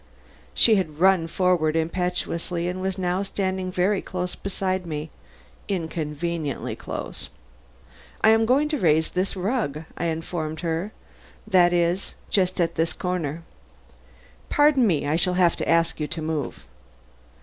She had run forward impetuously and was now standing close beside me inconveniently close. "I am going to raise this rug," I informed her. "That is, just at this corner. Pardon me, I shall have to ask you to move."